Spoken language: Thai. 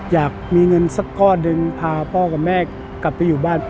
อยากมีเงินสักก้อนหนึ่งพาพ่อกับแม่กลับไปอยู่บ้าน